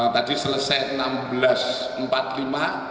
tadi selesai enam belas empat puluh lima